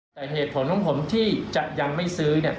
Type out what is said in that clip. แต่เหตุผลของผมที่จะยังไม่ซื้อ